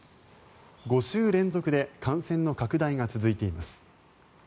５週連続で感染の拡大が続いています。